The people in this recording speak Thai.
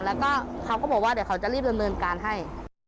แล้วก็เขาก็บอกว่าเดี๋ยวเขาจะรีบดำเนินการให้